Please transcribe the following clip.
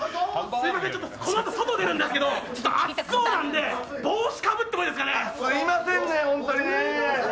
すみません、このあと外出るんですけど暑そうなので帽子かぶってもいいですかね。すみませんね、本当に。